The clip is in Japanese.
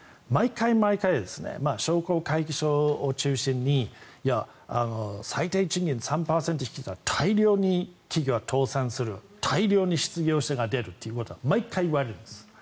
毎回、商工会議所を中心に最低賃金、３％引き上げすると大量に企業は倒産する大量に失業者が出るということは毎回言われるんです。